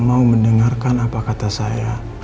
mau mendengarkan apa kata saya